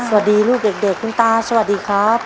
สวัสดีลูกเด็กคุณตาสวัสดีครับ